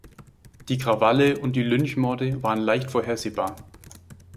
Die Krawalle und die Lynchmorde waren leicht vorhersehbar.